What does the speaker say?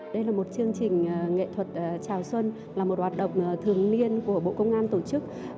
đây là một chương trình nghệ thuật chào xuân là một hoạt động thường niên của bộ công an tổ chức